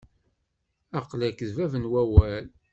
Aql-ak d bab n wawal.